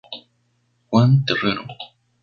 Juan Terrero.